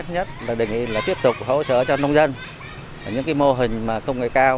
thứ nhất đề nghị là tiếp tục hỗ trợ cho nông dân những mô hình công nghệ cao